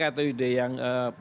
atau ide yang